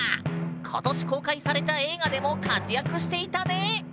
今年公開された映画でも活躍していたね！